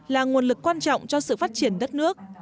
là nguồn lực quan trọng cho sự phát triển đất nước